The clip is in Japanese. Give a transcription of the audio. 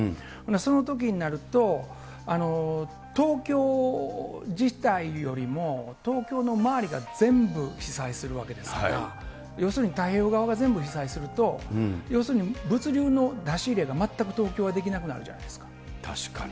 そのときになると、東京自体よりも、東京の周りが全部、被災するわけですから、要するに太平洋側が全部被災すると、要するに物流の出し入れが、全く東京はできなくなるじゃない確かに。